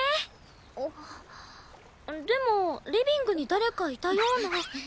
でもリビングに誰かいたような。